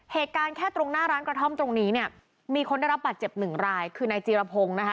เหตุการณ์แค่ตรงหน้าร้านกระท่อมตรงนี้เนี่ยมีคนได้รับบาดเจ็บหนึ่งรายคือนายจีรพงศ์นะคะ